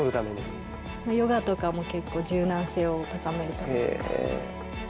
ヨガとかも結構柔軟性を高めるためにとか。